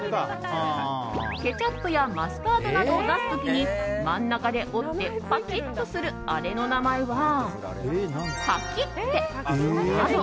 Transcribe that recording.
ケチャップやマスタードなどを出す時に真ん中で折ってパキッとするあれの名前はパキッテなど